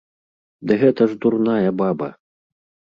Ды гэта ж дурная баба!